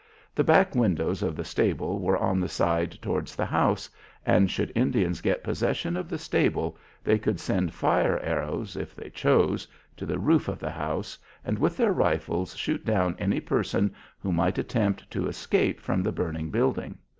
The back windows of the stable were on the side towards the house, and should Indians get possession of the stable they could send fire arrows, if they chose, to the roof of the house, and with their rifles shoot down any persons who might attempt to escape from the burning building.